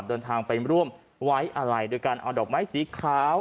โดนทางไปร่วมไว้อ่ะไหลย์ด้วยกันเอาดอกไม้สีขาว